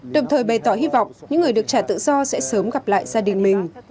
đồng thời bày tỏ hy vọng những người được trả tự do sẽ sớm gặp lại gia đình mình